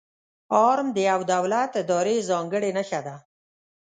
آرم د یو دولت، ادارې ځانګړې نښه ده.